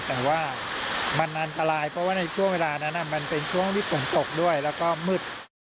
แต่ว่ามันอันตรายเพราะว่าในช่วงเวลานั้นมันเป็นช่วงที่ฝนตกด้วยแล้วก็มืด